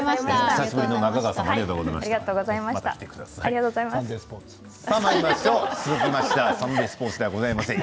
久しぶりの中川さんもありがとうございました。